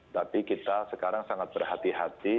tapi kita sekarang sangat berhati hati